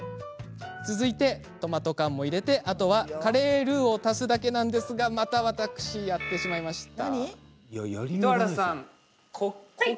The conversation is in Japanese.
続いて、トマト缶を入れてあとは、カレールーをまた私やってしまいました。